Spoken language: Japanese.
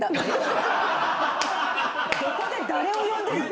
どこで誰を呼んでんの？